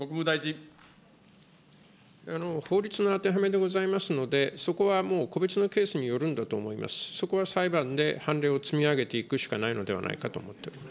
法律の当てはめでございますので、そこはもう、個別のケースによるんだと思いますし、そこは裁判で判例を積み上げていくしかないのではないかと思っておりま